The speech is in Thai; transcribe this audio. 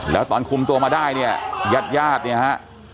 แล้วตอนคุมตัวมาได้เนี่ยญาติญาติเนี่ยฮะ